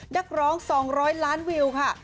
นักร้อง๒๐๐ล้านวิวค่ะ